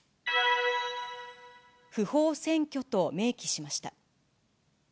不法占拠と明記しました。